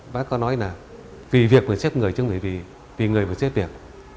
bác có nói là vì việc mà xếp người chứ không phải vì người mà xếp việc